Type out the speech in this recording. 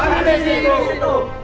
harimau jadi jadian itu